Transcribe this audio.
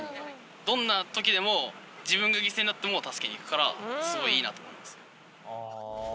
どんなときでも、自分が犠牲になっても助けに行くから、すごいいいなと思います。